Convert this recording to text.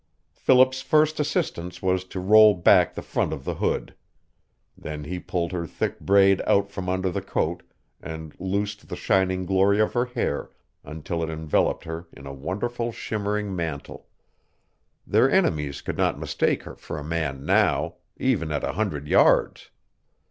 Philip's first assistance was to roll back the front of the hood. Then he pulled her thick braid out from under the coat and loosed the shining glory of her hair until it enveloped her in a wonderful shimmering mantle. Their enemies could not mistake her for a man NOW, even at a hundred yards.